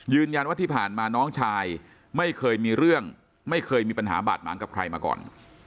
ยืนยันว่าที่ผ่านมาน้องชายไม่เคยมีเรื่องไม่เคยมีปัญหาบาดหมางกับใครมาก่อน